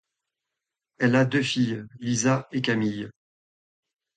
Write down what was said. Elle a deux filles, Lisa et Camille.